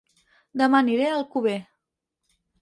Dema aniré a Alcover